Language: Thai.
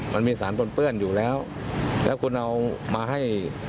มันมีสารปนเปื้อนอยู่แล้วแล้วคุณเอามาให้